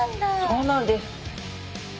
そうなんです。